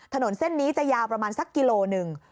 ถนนเส้นนี้จะยาวประมาณสักกิโลหนึ่ง